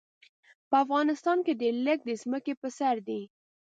په افغانستان کې ډېر لږ د ځمکې په سر دي.